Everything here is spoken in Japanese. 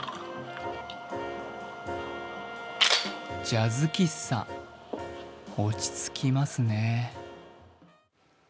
ジャズ喫茶、落ち着きますね。